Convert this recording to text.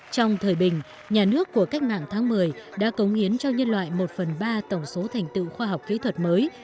trong thời bình nhà nước của cách mạng tháng một mươi đã cống hiến cho nhân loại một phần ba tổng số thành tựu khoa học kỹ thuật mới